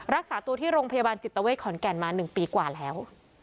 รักษาตัวที่โรงพยาบาลจิตเวทขอนแก่นมา๑ปีกว่าแล้ว